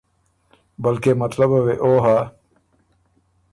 بلکې مطلبه وې او هۀ